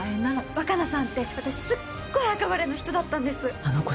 若菜さんって、私すっごい憧れの人だったんです。